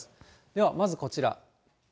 では、まず、こちら。